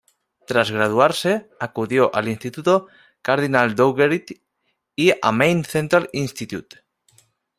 Tras graduarse, acudió al Insituto Cardinal Dougherty y a Maine Central Institute.